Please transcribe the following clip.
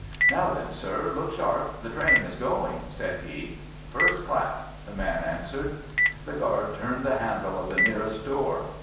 "Now, then, sir, look sharp, the train is going," said he. "First class," the man answered. The guard turned the handle of the nearest door.